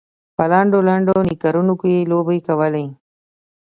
په لنډو لنډو نیکرونو کې یې لوبې کولې.